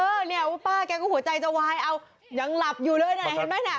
เนี่ยว่าป้าแกก็หัวใจจะวายเอายังหลับอยู่เลยน่ะเห็นไหมน่ะ